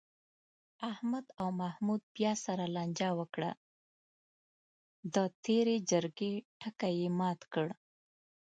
احمد او محمود بیا سره لانجه وکړه، د تېرې جرگې ټکی یې مات کړ.